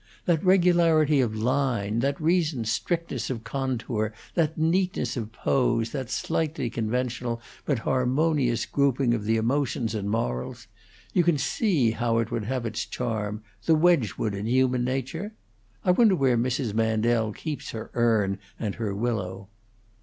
That regularity of line; that reasoned strictness of contour; that neatness of pose; that slightly conventional but harmonious grouping of the emotions and morals you can see how it would have its charm, the Wedgwood in human nature? I wonder where Mrs. Mandel keeps her urn and her willow."